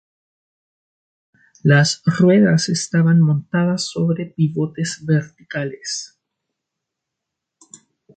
Las ruedas estaban montadas sobre pivotes verticales.